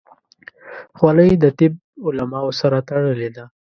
خولۍ د طب علماو سره تړلې ده.